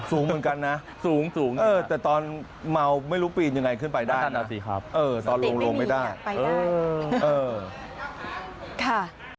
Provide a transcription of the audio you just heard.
สูงเหมือนกันนะแต่ตอนเมาไม่รู้ปีนยังไงขึ้นไปได้นะสติไม่มีอยากไปได้